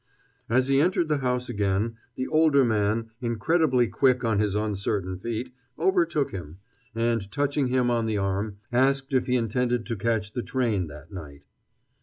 As he entered the house again, the older man, incredibly quick on his uncertain feet, overtook him, and, touching him on the arm, asked if he intended to catch the train that night.